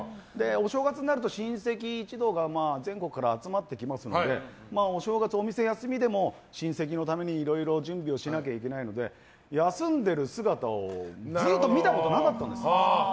お正月になると親戚一同が全国から集まってきますのでお正月、お店が休みでも親戚のためにいろいろ準備をしなければいけないので休んでいる姿を見たことがなかったんです。